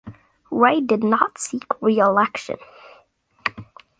Ray did not seek re-election.